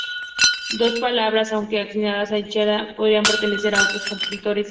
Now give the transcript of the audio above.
Dos de estas obras, aunque asignadas a Anchieta, podrían pertenecer a otros compositores.